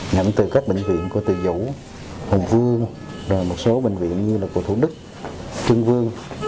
nhận từ các bệnh viện của từ vũ hùng vương rồi một số bệnh viện như là của thủ đức trương vương